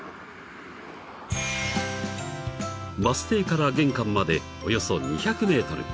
［バス停から玄関までおよそ２００ｍ］